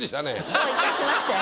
どういたしまして。